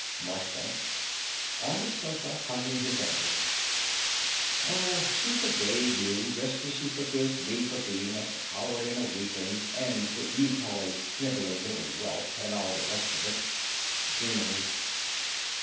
MARCHBANKS (on the sofa hugging his ankles). Oh, she forgave you, just as she forgives me for being a coward, and a weakling, and what you call a snivelling little whelp and all the rest of it. (Dreamily.)